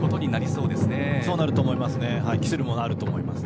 そうなると思います。